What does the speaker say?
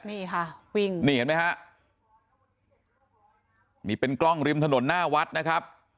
นี่เห็นมั้ยฮะนี่เป็นกล้องริมถนนหน้าวัดนะครับ